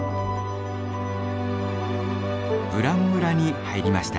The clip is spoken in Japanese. ブラン村に入りました。